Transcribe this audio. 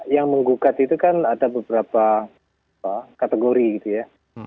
yang menggugat itu kan ada beberapa kategori gitu ya